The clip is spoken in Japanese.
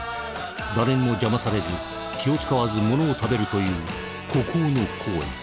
誰にも邪魔されず気を遣わずものを食べるという孤高の行為。